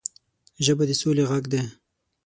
ژبه د سولې غږ دی